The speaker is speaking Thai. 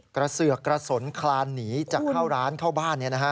กระเสือกกระสุนคลานหนีจากเข้าร้านเข้าบ้านนี่นะฮะ